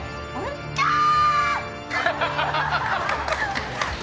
キャー！